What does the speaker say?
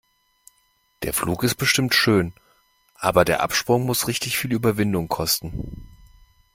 Der Flug ist bestimmt schön, aber der Absprung muss richtig viel Überwindung kosten.